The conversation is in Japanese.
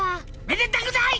めでたくない！